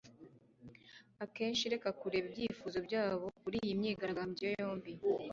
Akenshi reka kureka ibyifuzo byabo kuri iyi myigaragambyo yombi